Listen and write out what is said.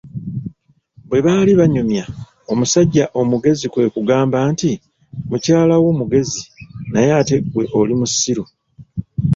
Bwe baali banyumya, omusajja omugezi kwe kugamba nti, mukyala wo mugezi, naye ate gwe oli musiru.